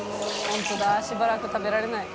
本当だしばらく食べられない。